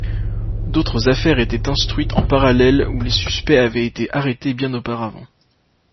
D'autres affaires étaient instruites en parallèle où les suspects avaient été arrêtés bien auparavant.